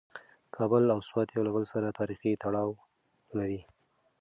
کابل او سوات یو له بل سره تاریخي تړاو لري.